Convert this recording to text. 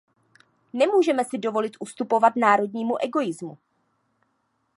Nemůžeme si dovolit ustupovat národnímu egoismu.